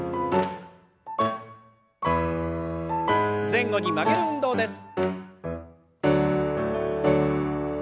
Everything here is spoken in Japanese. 前後に曲げる運動です。